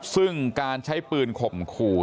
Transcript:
ซึ่งการใช้ปืนข่มขู่